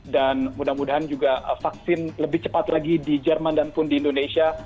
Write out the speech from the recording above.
dan mudah mudahan juga vaksin lebih cepat lagi di jerman dan pun di indonesia